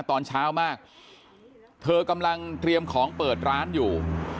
ตอนเช้ามากเธอกำลังเตรียมของเปิดร้านอยู่